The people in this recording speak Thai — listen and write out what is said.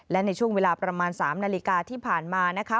และในช่วงเวลาประมาณ๓นาฬิกาที่ผ่านมานะคะ